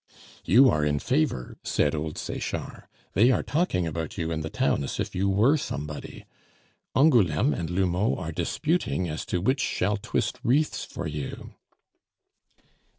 "You are in favor," said old Sechard; "they are talking about you in the town as if you were somebody! Angouleme and L'Houmeau are disputing as to which shall twist wreaths for you."